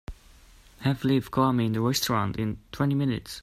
Have Liv call me in the restaurant in twenty minutes.